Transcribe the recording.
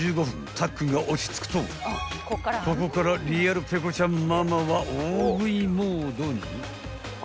たっくんが落ち着くとここからリアルペコちゃんママは大食いモードに］